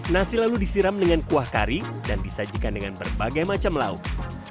nasi lalu disiram dengan kuah kari dan disajikan dengan berbagai macam lauk